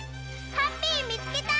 ハッピーみつけた！